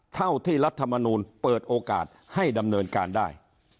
เท่าที่รัฐมนูลเปิดโอกาสให้ดำเนินการได้